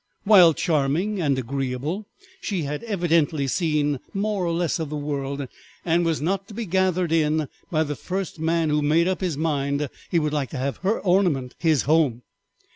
While charming and agreeable, she had evidently seen more or less of the world, and was not to be gathered in by the first man who made up his mind he would like to have her ornament his home.